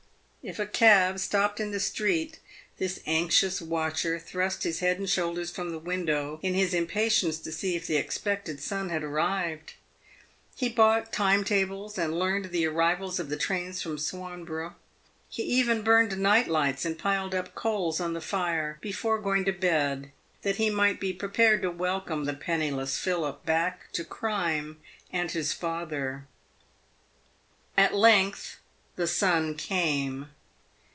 If a cab stopped in the street, this anxious watcher thrust his head and shoulders from the window, in his im patience to see if the expected son had arrived. He bought time tables, and learned the arrivals of the trains from Swanborough. He even burned night lights, and piled up coals on the fire before going to bed, that he might be prepared to welcome the penniless Philip back to crime and his father. At length the son came.